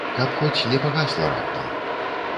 Каб хоць не пагасла раптам.